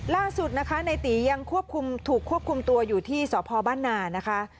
ล่าสุดนะคะนายตี๋ยังถูกควบคุมตัวอยู่ที่สภบ้านนานะคะ